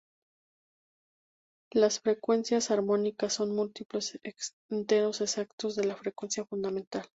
Las frecuencias armónicas son múltiplos enteros exactos de la frecuencia fundamental.